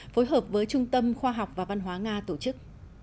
phối hợp với trung tâm khoa học và văn hóa nga tổ chức